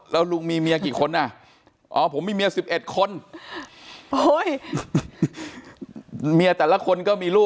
แล้วลุงมีเมียกี่คนอ่ะผมมีเมีย๑๑คน